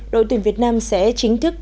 đội tuyển việt nam sẽ chính thức